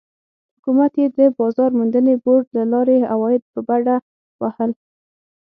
حکومت یې د بازار موندنې بورډ له لارې عواید په بډه وهل.